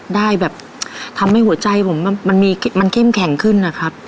ได้แบบทำให้หัวใจผมมันเข้มแข็งขึ้นนะครับ